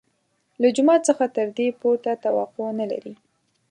له جومات څخه تر دې پورته توقع نه لري.